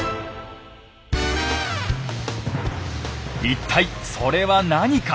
一体それは何か。